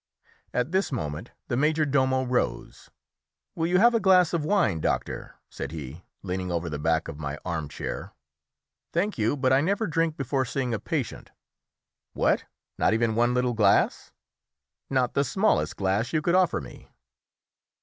At this moment the major domo rose. "Will you have a glass of wine, doctor?" said he, leaning over the back of my arm chair. "Thank you, but I never drink before seeing a patient." "What! not even one little glass?" "Not the smallest glass you could offer me."